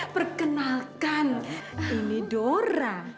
perkenalkan ini dora